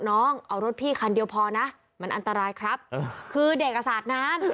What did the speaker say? น้องเอารถพี่คันเดียวพอนะมันอันตรายครับคือเด็กอ่ะสาดน้ำ